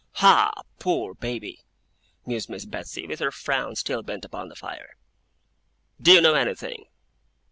'Ha! Poor Baby!' mused Miss Betsey, with her frown still bent upon the fire. 'Do you know anything?